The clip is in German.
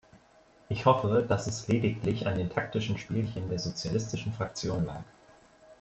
Ich hoffe, dass es lediglich an den taktischen Spielchen der Sozialistischen Fraktion lag.